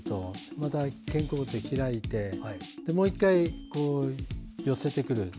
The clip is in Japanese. また肩甲骨を開いてもう１回、寄せてくる。